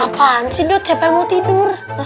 apaan sih dud siapa yang mau tidur